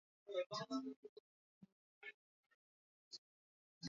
Huku maafisa wa Umoja wa Mataifa na Umoja wa Afrika wakionya kuwa nchi hiyo iko hatarini.